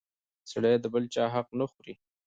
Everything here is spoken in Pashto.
سړی د بل چا حق نه خوري!